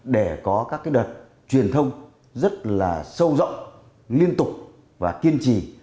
để có các đợt truyền thông rất là sâu rộng liên tục và kiên trì